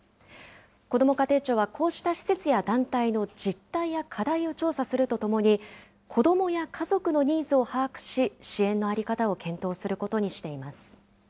こども家庭庁はこうした施設や団体の実態や課題を調査するとともに、子どもや家族のニーズを把握し、支援の在り方を検討することにしています。